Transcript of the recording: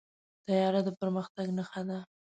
طیاره د پرمختګ نښه ده.